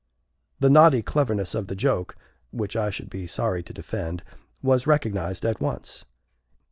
The naughty cleverness of the joke (which I should be sorry to defend) was recognized at once.